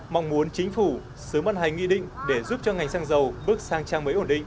mong muốn chính phủ xứ mân hành nghị định để giúp cho ngành xăng dầu bước sang trang mới ổn định